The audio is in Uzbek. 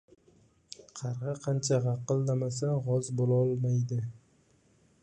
• Qarg‘a qancha g‘aqillamasan g‘oz bo‘lolmaydi.